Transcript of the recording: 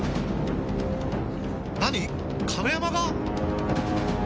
何亀山が！？